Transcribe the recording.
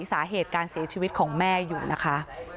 สาเหตุการเสียชีวิตของแม่อยู่นะคะ